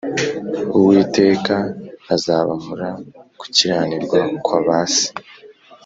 Uwiteka azabahora gukiranirwa kwa base